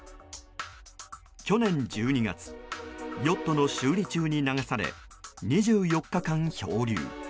去年１２月ヨットの修理中に流され２４日間漂流。